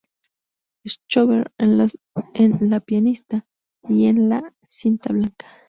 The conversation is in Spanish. Schober", en "La pianista" y en "La cinta blanca".